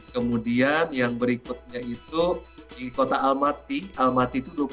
kemudian yang berikutnya itu di kota almaty